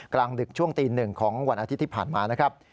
กลางดึกช่วงตี๑ของวันอาทิตย์ที่ผ่านมานะครับ